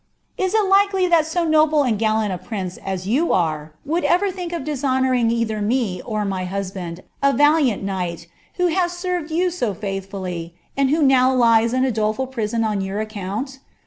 Is il likely that so noble end gullant a prince as you are would ever think of diBhoiiouriiig either me or luy husband, a valiant knight, who has served you so faithfully, and who now lies in a doleful prIsoQ on your account?